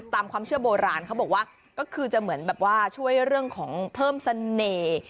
ตามความเชื่อโบราณเขาบอกว่าก็คือจะเหมือนแบบว่าช่วยเรื่องของเพิ่มเสน่ห์